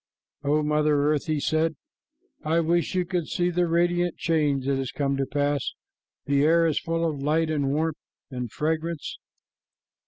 "O Mother Earth," he said, "I wish you could see the radiant change that has come to pass. The air is full of light and warmth and fragrance.